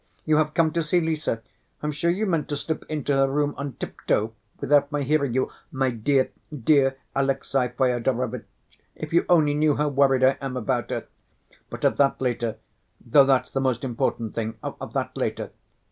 You have come to see Lise. I'm sure you meant to slip into her room on tiptoe, without my hearing you. My dear, dear Alexey Fyodorovitch, if you only knew how worried I am about her! But of that later, though that's the most important thing, of that later.